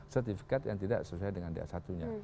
sertifikat yang tidak sesuai dengan di a satu nya